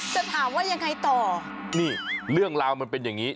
จะถามว่ายังไงต่อนี่เรื่องราวมันเป็นอย่างนี้